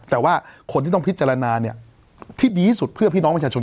แต่ว่าคนที่ต้องพิจารณาที่ดีที่สุดเพื่อพี่น้องประชาชน